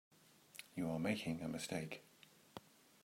You are making a mistake.